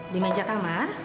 di meja kamar